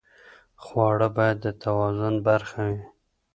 خواړه باید د توازن برخه وي.